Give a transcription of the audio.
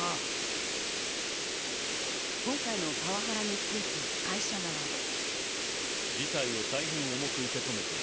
今回のパワハラについて会社側は。